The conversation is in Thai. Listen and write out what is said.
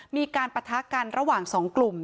มีการประทะกันระหว่าง๒กลุ่ม